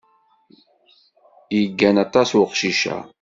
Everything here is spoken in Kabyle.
Yeggan aṭas uqcic-a.